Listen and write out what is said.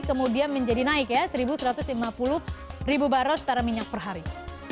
kemudian menjadi naik ya satu satu ratus lima puluh ribu barrel setara minyak per hari